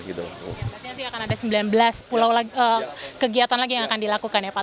berarti nanti akan ada sembilan belas pulau kegiatan lagi yang akan dilakukan ya pak